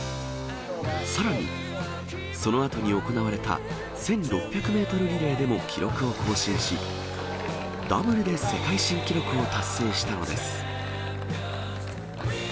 さらに、そのあとに行われた１６００メートルリレーでも記録を更新し、ダブルで世界新記録を達成したのです。